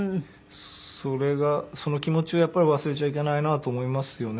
それがその気持ちをやっぱり忘れちゃいけないなと思いますよね。